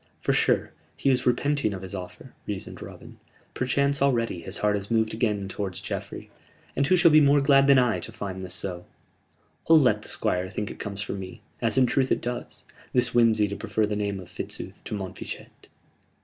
"For sure, he is repenting of his offer," reasoned Robin. "Perchance already his heart is moved again towards Geoffrey, and who shall be more glad than I to find this so? I'll let the Squire think it comes from me as in truth it does this whimsey to prefer the name of Fitzooth to Montfichet!"